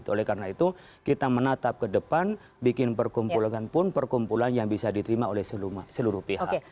oleh karena itu kita menatap ke depan bikin perkumpulan pun perkumpulan yang bisa diterima oleh seluruh pihak